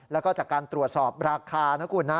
แล้วก็จากการตรวจสอบราคานะคุณนะ